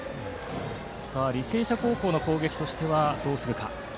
履正社高校の攻撃としてはどうするか。